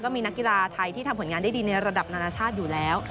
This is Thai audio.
มีนักกีฬาไทยที่ทำผลงานได้ดีในระดับนานาชาติอยู่แล้ว